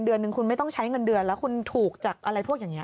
เดือนหนึ่งคุณไม่ต้องใช้เงินเดือนแล้วคุณถูกจากอะไรพวกอย่างนี้